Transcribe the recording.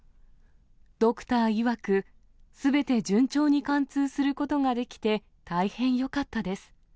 ドクターいわく、すべて順調に貫通することができて、大変よかったです。